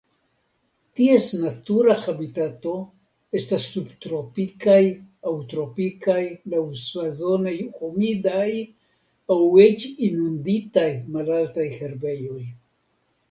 Ties natura habitato estas subtropikaj aŭ tropikaj laŭsezone humidaj aŭ eĉ inunditaj malaltaj herbejoj.